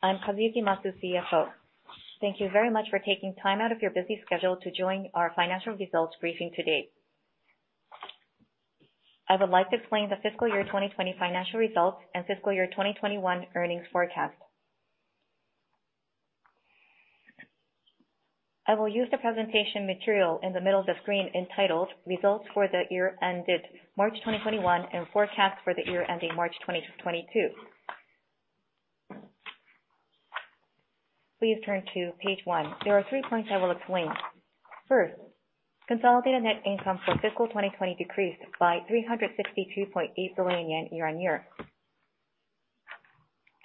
I'm Kazuyuki Masu, CFO. Thank you very much for taking time out of your busy schedule to join our financial results briefing today. I would like to explain the fiscal year 2020 financial results and fiscal year 2021 earnings forecast. I will use the presentation material in the middle of the screen entitled Results for the Year Ended March 2021 and Forecast for the Year Ending March 2022. Please turn to page one. There are three points I will explain. First, consolidated net income for fiscal 2020 decreased by 362.8 billion yen year-on-year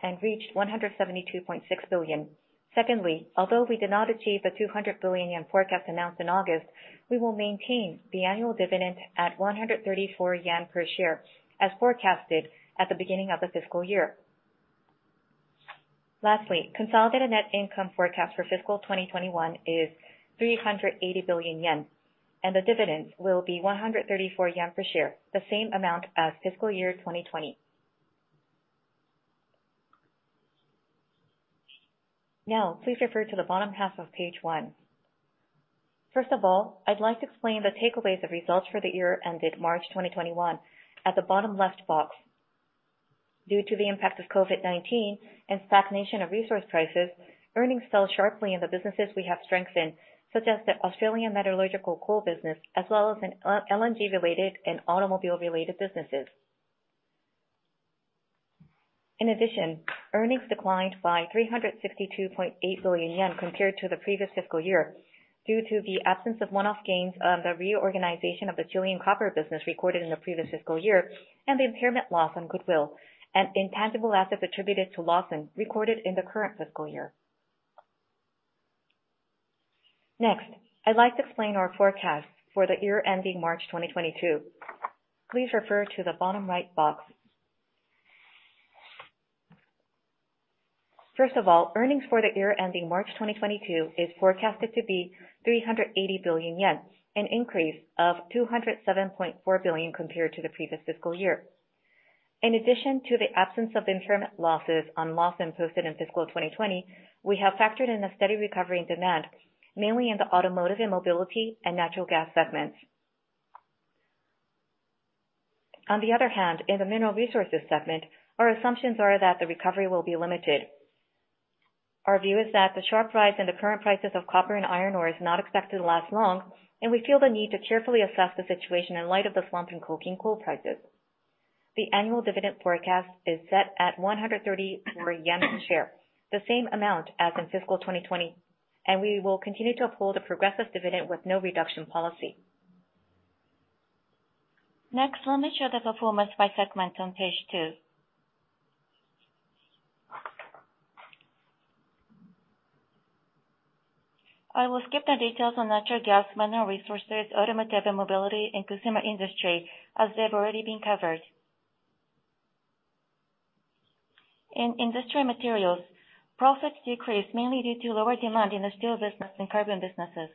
and reached 172.6 billion. Secondly, although we did not achieve the 200 billion yen forecast announced in August, we will maintain the annual dividend at 134 yen per share as forecasted at the beginning of the fiscal year. Lastly, consolidated net income forecast for fiscal 2021 is 380 billion yen, and the dividend will be 134 yen per share, the same amount as fiscal year 2020. Please refer to the bottom half of page one. First of all, I'd like to explain the takeaways of results for the year ended March 2021 at the bottom left box. Due to the impact of COVID-19 and stagnation of resource prices, earnings fell sharply in the businesses we have strengthened, such as the Australian metallurgical coal business, as well as in LNG-related and automobile-related businesses. In addition, earnings declined by 362.8 billion yen compared to the previous fiscal year, due to the absence of one-off gains on the reorganization of the Chilean copper business recorded in the previous fiscal year, and the impairment loss on goodwill and intangible assets attributed to Lawson recorded in the current fiscal year. Next, I'd like to explain our forecast for the year ending March 2022. Please refer to the bottom right box. First of all, earnings for the year ending March 2022 is forecasted to be 380 billion yen, an increase of 207.4 billion compared to the previous fiscal year. In addition to the absence of impairment losses on Lawson posted in fiscal 2020, we have factored in a steady recovery in demand, mainly in the Automotive & Mobility and Natural Gas segments. On the other hand, in the Mineral Resources segment, our assumptions are that the recovery will be limited. Our view is that the sharp rise in the current prices of copper and iron ore is not expected to last long, and we feel the need to carefully assess the situation in light of the slump in coking coal prices. The annual dividend forecast is set at 134 yen per share, the same amount as in FY 2020, and we will continue to uphold a progressive dividend with no reduction policy. Next, let me show the performance by segment on page two. I will skip the details on Natural Gas, Mineral Resources, Automotive & Mobility, and Consumer Industry, as they've already been covered. In Industrial Materials, profits decreased mainly due to lower demand in the steel business and carbon businesses.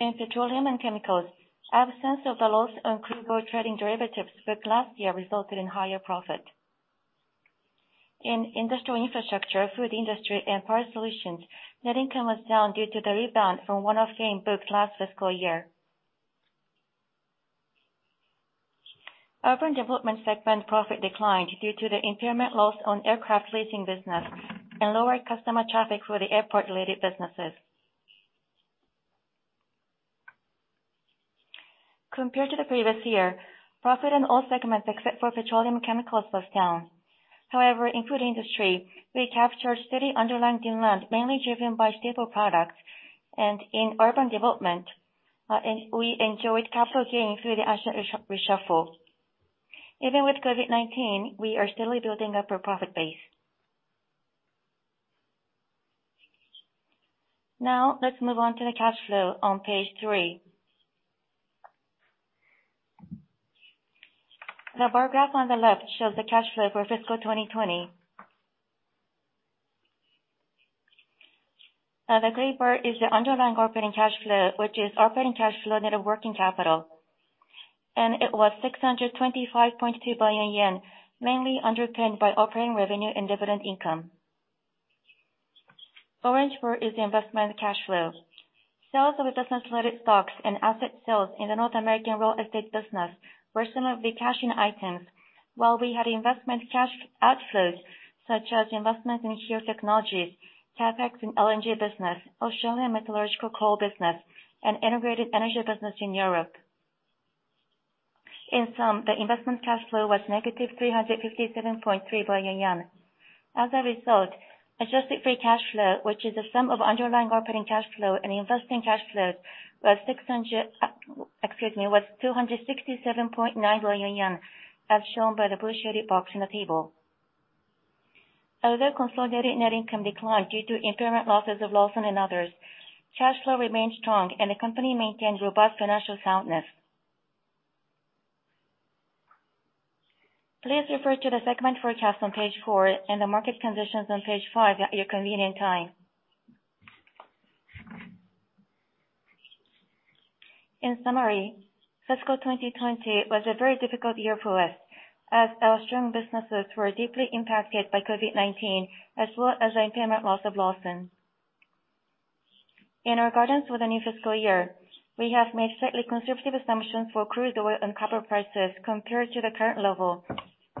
In Petroleum & Chemicals, absence of the loss on crude oil trading derivatives with last year resulted in higher profit. In Industrial Infrastructure, food industry, and power solutions, net income was down due to the rebound from one-off gain booked last fiscal year. Urban Development segment profit declined due to the impairment loss on aircraft leasing business and lower customer traffic for the airport-related businesses. Compared to the previous year, profit in all segments except for Petroleum & Chemicals was down. However, in food industry, we captured steady underlying demand, mainly driven by staple products, and in urban development, we enjoyed capital gains through the asset reshuffle. Even with COVID-19, we are steadily building up our profit base. Now, let's move on to the cash flow on page three. The bar graph on the left shows the cash flow for fiscal 2020. The gray bar is the underlying operating cash flow, which is operating cash flow net of working capital, and it was 625.2 billion yen, mainly underpinned by operating revenue and dividend income. Orange bar is the investment cash flow. Sales of investment-related stocks and asset sales in the North American real estate business were some of the cash-in items. While we had investment cash outflows, such as investment in HERE Technologies, CapEx in LNG business, Australian metallurgical coal business, and integrated energy business in Europe. In sum, the investment cash flow was negative 357.3 billion yen. As a result, adjusted free cash flow, which is the sum of underlying operating cash flow and investing cash flows, was 267.9 billion yen, as shown by the blue shaded box in the table. Although consolidated net income declined due to impairment losses of Lawson and others, cash flow remained strong and the company maintained robust financial soundness. Please refer to the segment forecast on page four and the market conditions on page five at your convenient time. In summary, fiscal 2020 was a very difficult year for us, as our strong businesses were deeply impacted by COVID-19, as well as the impairment loss of Lawson. In our guidance for the new fiscal year, we have made slightly conservative assumptions for crude oil and copper prices compared to the current level,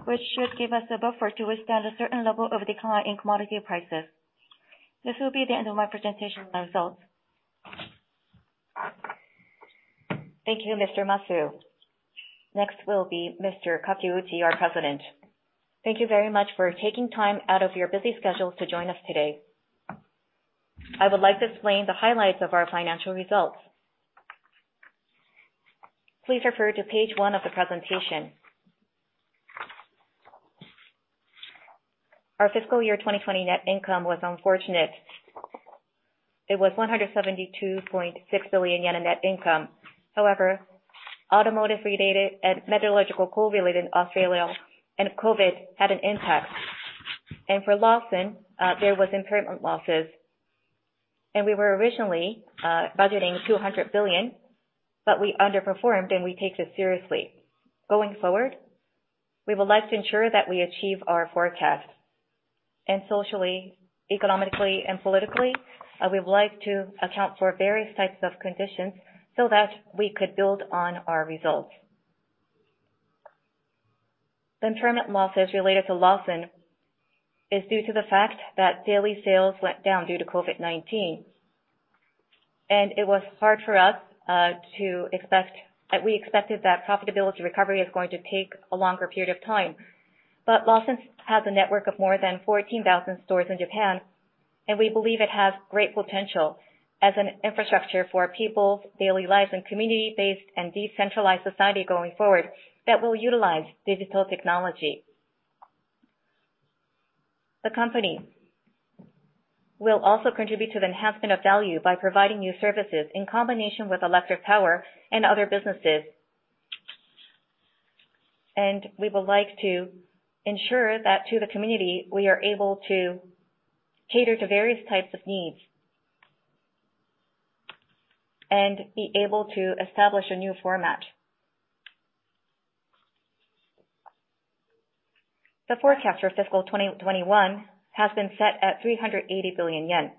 which should give us a buffer to withstand a certain level of decline in commodity prices. This will be the end of my presentation results. Thank you, Mr. Masu. Next will be Takehiko Kakiuchi, our president. Thank you very much for taking time out of your busy schedules to join us today. I would like to explain the highlights of our financial results. Please refer to page one of the presentation. Our fiscal year 2020 net income was unfortunate. It was 172.6 billion yen in net income. Automotive-related and metallurgical coal-related Australia and COVID had an impact. For Lawson, there was impairment losses. We were originally budgeting 200 billion, but we underperformed, and we take this seriously. Going forward, we would like to ensure that we achieve our forecast. Socially, economically, and politically, we would like to account for various types of conditions so that we could build on our results. The impairment losses related to Lawson is due to the fact that daily sales went down due to COVID-19. It was hard for us to expect that we expected that profitability recovery is going to take a longer period of time. Lawson has a network of more than 14,000 stores in Japan, and we believe it has great potential as an infrastructure for people's daily lives and community-based and decentralized society going forward that will utilize digital technology. The company will also contribute to the enhancement of value by providing new services in combination with electric power and other businesses. We would like to ensure that to the community, we are able to cater to various types of needs and be able to establish a new format. The forecast for fiscal 2021 has been set at 380 billion yen.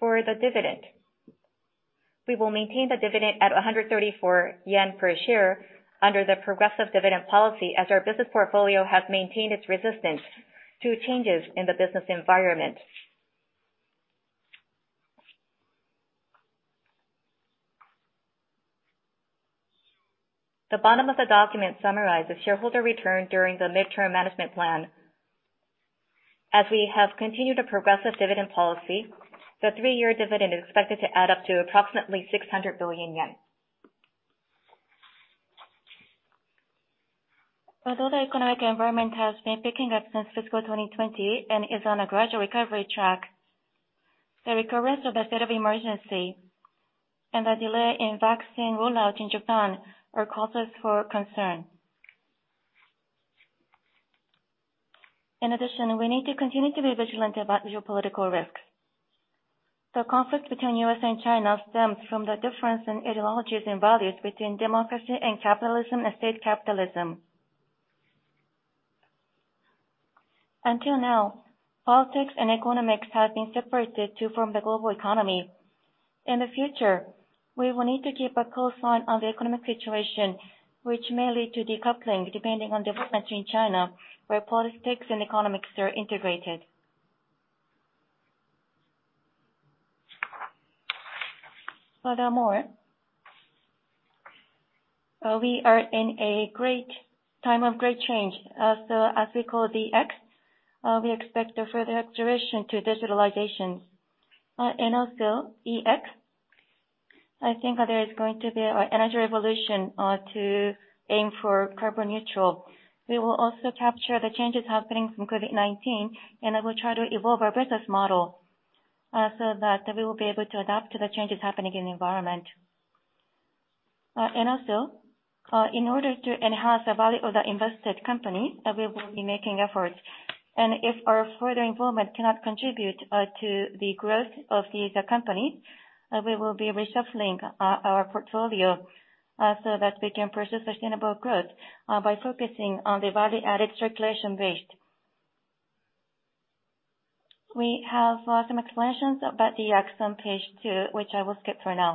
For the dividend, we will maintain the dividend at 134 yen per share under the progressive dividend policy, as our business portfolio has maintained its resistance to changes in the business environment. The bottom of the document summarizes shareholder return during the midterm management plan. As we have continued a progressive dividend policy, the three-year dividend is expected to add up to approximately 600 billion yen. Although the economic environment has been picking up since fiscal 2020 and is on a gradual recovery track, the recurrence of a state of emergency and the delay in vaccine rollout in Japan are causes for concern. In addition, we need to continue to be vigilant about geopolitical risks. The conflict between U.S. and China stems from the difference in ideologies and values between democracy and capitalism and state capitalism. Until now, politics and economics have been separated to form the global economy. In the future, we will need to keep a close eye on the economic situation, which may lead to decoupling depending on developments in China, where politics and economics are integrated. Furthermore, we are in a time of great change. As we call DX, we expect a further acceleration to digitalization. EX, I think there is going to be an energy revolution to aim for carbon neutral. We will also capture the changes happening from COVID-19, we'll try to evolve our business model so that we will be able to adapt to the changes happening in the environment. In order to enhance the value of the invested company, we will be making efforts. If our further involvement cannot contribute to the growth of these companies, we will be reshuffling our portfolio so that we can pursue sustainable growth by focusing on the Value-Added Cyclical Growth Model. We have some explanations about the EX on page two, which I will skip for now.